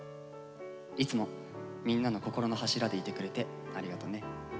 いつもみんなの心の柱でいてくれてありがとね。